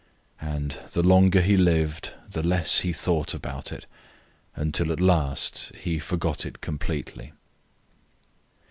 And the longer he lived, the less he thought about it, until at last he forgot it completely.